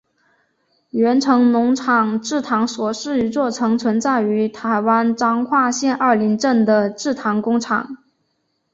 源成农场制糖所是一座曾存在于台湾彰化县二林镇的制糖工厂。